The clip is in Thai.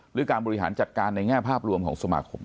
หรือการบริหารจัดการในแง่ภาพรวมของสมาคม